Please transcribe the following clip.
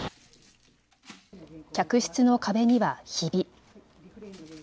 客室の壁にはひび。